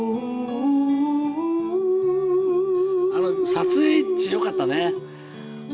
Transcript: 撮影地よかったね。